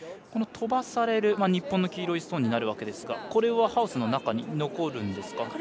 この飛ばされる日本の黄色いストーンになるわけですがこれはハウスの中に残るんですか？